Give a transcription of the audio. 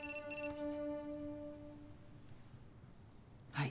はい。